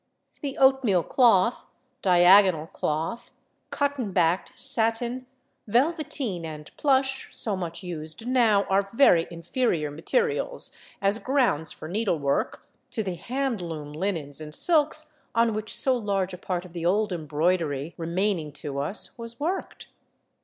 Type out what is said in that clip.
The oatmeal cloth, diagonal cloth, cotton backed satin, velveteen and plush, so much used now, are very inferior materials as grounds for needlework to the hand loom linens and silks on which so large a part of the old embroidery remaining to us was worked.